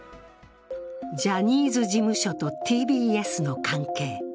ジャニーズ事務所とＴＢＳの関係。